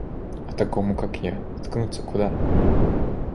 А такому, как я, ткнуться куда?